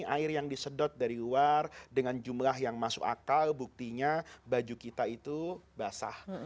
air yang disedot dari luar dengan jumlah yang masuk akal buktinya baju kita itu basah